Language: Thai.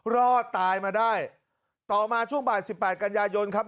รอดตายมาได้ต่อมาช่วงบ่ายสิบแปดกันยายนครับ